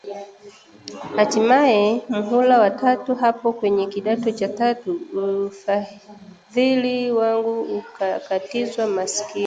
Hatimaye muhula wa tatu hapo kwenye kidato cha tatu, ufadhili wangu ukakatizwa maskini